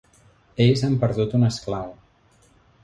Ells han perdut un esclau.